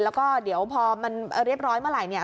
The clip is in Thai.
แล้วก็เดี๋ยวพอมันเรียบร้อยเมื่อไหร่เนี่ย